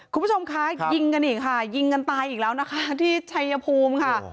คุณผู้ชมคะยิงกันอีกค่ะยิงกันตายอีกแล้วนะคะที่ชัยภูมิค่ะ